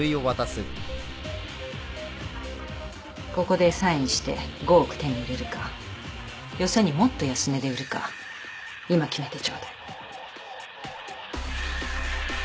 ここでサインして５億手に入れるかよそにもっと安値で売るか今決めてちょうだい。